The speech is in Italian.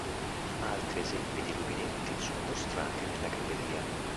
Altri esempi di rubinetti sono mostrati nella galleria.